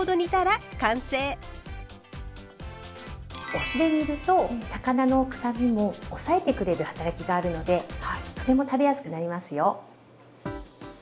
お酢で煮ると魚のくさみも抑えてくれる働きがあるのでとても食べやすくなりますよ。